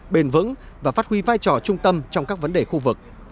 bền vững và phát huy vai trò trung tâm trong các vấn đề khu vực